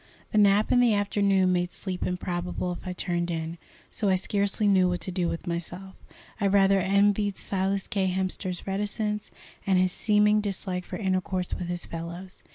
The nap in the afternoon made sleep improbable if I turned in, so I scarcely knew what to do with myself. I rather envied Silas K. Hemster's reticence, and his seeming dislike for intercourse with his fellows.